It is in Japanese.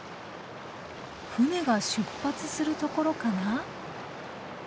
船が出発するところかな。